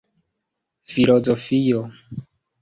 filozofio